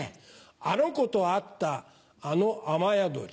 あの子と会ったあの雨宿り。